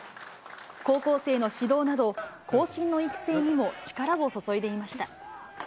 高校生の指導など、後進の育成にも力を注いでいました。